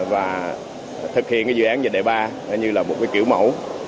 và thực hiện cái dự án dịch đại ba như là một cái kiểu mẫu